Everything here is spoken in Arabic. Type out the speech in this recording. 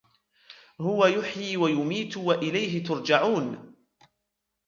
هُوَ يُحْيِي وَيُمِيتُ وَإِلَيْهِ تُرْجَعُونَ